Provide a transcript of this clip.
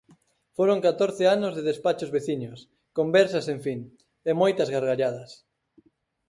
Foron catorce anos de despachos veciños, conversas sen fin, e moitas gargalladas.